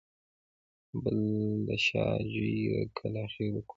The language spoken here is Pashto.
بل د شاه جوی د کلاخېلو ګودر و.